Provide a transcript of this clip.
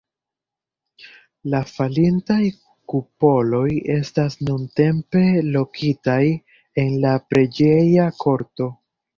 La falintaj kupoloj estas nuntempe lokitaj en la preĝeja korto.